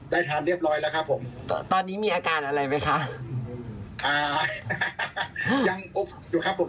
ทานเรียบร้อยแล้วครับผมตอนนี้มีอาการอะไรไหมคะอ่ายังอกอยู่ครับผม